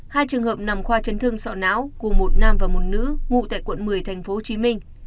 hai trường hợp nằm khoa chấn thương sợ não của một nam và một nữ ngụ tại quận một mươi tp hcm